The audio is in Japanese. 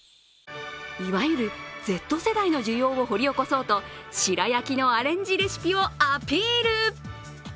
いわゆる、Ｚ世代の需要を掘り起こそうと白焼きのアレンジレシピをアピール。